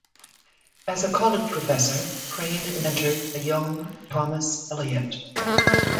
As a college professor, Crane mentored a young Thomas Elliot.